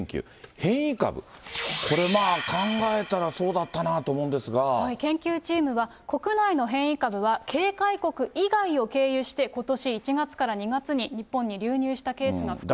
変異株、これ、まあ、考えたらそ研究チームは、国内の変異株は、警戒国以外を経由して、ことし１月から２月に日本に流入したケースが複数あると。